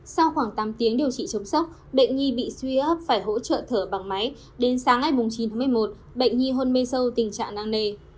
sau khoảng tám tiếng điều trị chống sốc bệnh nhi bị suy hấp phải hỗ trợ thở bằng máy đến sáng ngày chín tháng một mươi một bệnh nhi hôn mê sâu tình trạng năng nề